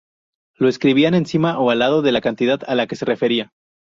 Lo escribían encima o al lado de la cantidad a la que se refería.